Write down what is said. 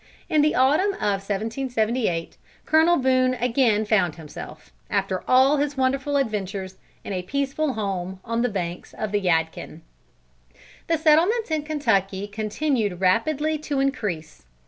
In the autumn of 1778, Colonel Boone again found himself, after all his wonderful adventures, in a peaceful home on the banks of the Yadkin. The settlements in Kentucky continued rapidly to increase.